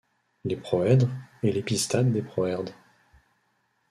Les Proèdres et l'Épistate des Proèdres.